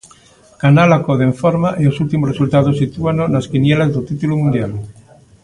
Canal acode en forma e os últimos resultados sitúano nas quinielas do título mundial.